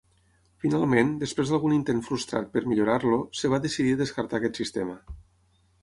Finalment, després d'algun intent frustrat per millorar-lo, es va decidir descartar aquest sistema.